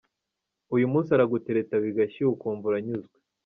Uyu munsi aragutereta bigashyuha ukumva uranyuzwe.